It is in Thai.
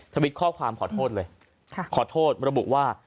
ทวิตข้อความขอโทษเลยขอโทษระบุว่า